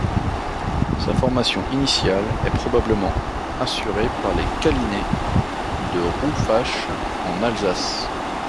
Sa formation initiale est probablement assurée par les Callinet, de Rouffach en Alsace.